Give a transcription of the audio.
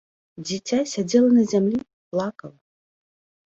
Дзіця сядзела на зямлі, плакала.